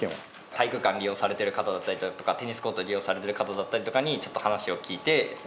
体育館を利用されている方だったりとかテニスコート利用されている方だったりとかにちょっと話を聞いて。